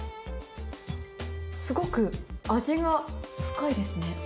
すごく味が深いですね。